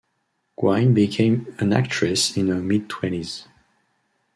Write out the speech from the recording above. Gwynne became an actress in her mid-twenties.